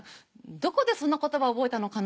どこでそんな言葉覚えたのかな？